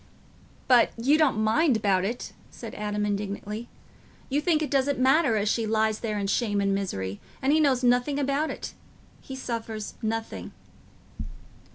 "But you don't mind about it," said Adam indignantly. "You think it doesn't matter as she lies there in shame and misery, and he knows nothing about it—he suffers nothing."